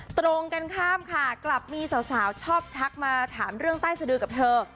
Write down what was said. ตรงกันข้ามค่ะกลับมีสาวชอบทักมาถามเรื่องใต้สดือกับเธอ